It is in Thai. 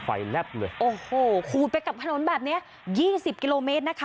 แลบเลยโอ้โหขูดไปกับถนนแบบเนี้ยยี่สิบกิโลเมตรนะคะ